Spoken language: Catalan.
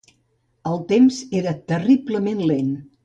El temps era terriblement lent.